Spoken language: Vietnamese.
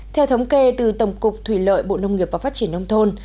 theo thống kê từ tổng cục thủy lợi bộ nông nghiệp và phát triển nông thôn